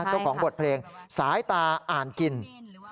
ต้องของบทเพลงสายตาอ่านกินใช่ค่ะ